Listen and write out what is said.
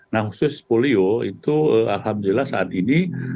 nah khusus polio itu alhamdulillah saat ini